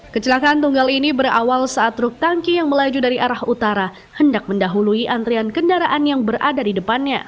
kecelakaan tunggal ini berawal saat truk tangki yang melaju dari arah utara hendak mendahului antrian kendaraan yang berada di depannya